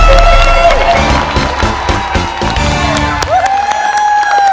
แล้ววันนี้ผมมีสิ่งหนึ่งนะครับเป็นตัวแทนกำลังใจจากผมเล็กน้อยครับ